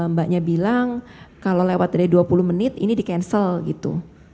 mbaknya bilang kalau lewat dari dua puluh menit ini di cancel gitu